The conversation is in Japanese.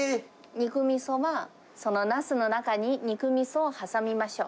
肉みそは、そのナスの中に、肉みそを挟みましょう。